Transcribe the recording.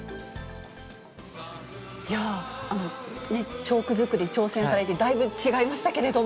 いやあ、チョーク作り挑戦されて、だいぶ違いましたけれども。